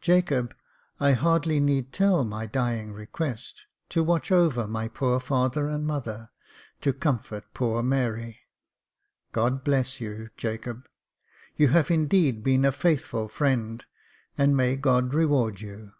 Jacob, I hardly need tell my dying request, to watch over my poor father and mother, to comfort poor Mary — God bless you, Jacob ! you have indeed been a faithful friend, and may God reward you.